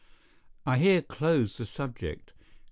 I here close the subject.